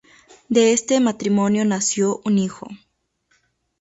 De este matrimonio nació un hijo.